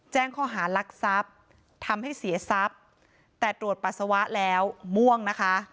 แจ้งข้อหารักทรัพย์ทำให้เสียทรัพย์แต่ตรวจปัสสาวะแล้วม่วงนะคะ